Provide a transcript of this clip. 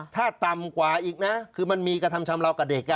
ถ้าต่ำกว่าอีกนะคือมันมีกระทำชำราวกับเด็ก